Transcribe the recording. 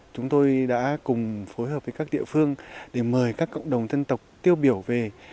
chúng tôi đã cùng phối hợp với các địa phương để mời các cộng đồng dân tộc tiêu biểu về